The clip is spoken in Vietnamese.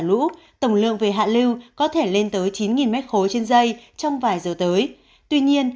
lũ tổng lượng về hạ lưu có thể lên tới chín m ba trên dây trong vài giờ tới tuy nhiên